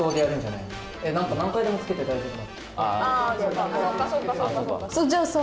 えっ何か何回でもつけて大丈夫。